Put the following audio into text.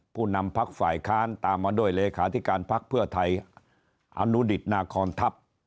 ผู้นำพักฝ่ายค้านตามมาด้วยเลขาธิการพักเพื่อไทยอนุดิตนาคอนทัพ